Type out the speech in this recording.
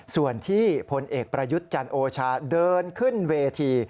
ส่วนที่พลเอกประยุทธ์จันโอชาเดินขึ้นเวที